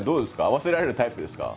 合わせられるタイプですか？